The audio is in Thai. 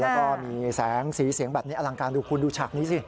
แล้วก็มีแสงสีเสียงแบบนี้อลังการดูคุณดูฉากนี้สิ